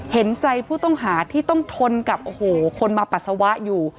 เห็นใจผู้ต้องหาที่ต้องทนกับโอ้โหคนมาปัสสาวะอยู่